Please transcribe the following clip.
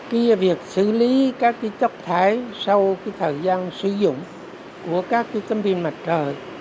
cái việc xử lý các chất thái sau thời gian sử dụng của các tấm pin mặt trời